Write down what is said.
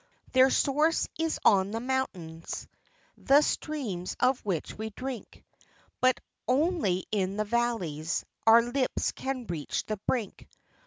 191 Their source is on the mountains, The streams of which we drink; But only in the valleys Our lips can reach the brink.